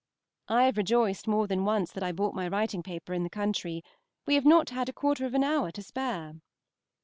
I have rejoiced more than once that I bought my writing paper in the country; we have not had a quarter of an hour to spare.